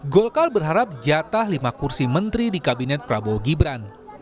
golkar berharap jatah lima kursi menteri di kabinet prabowo gibran